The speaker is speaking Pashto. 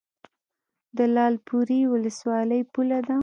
د لعل پورې ولسوالۍ پوله ده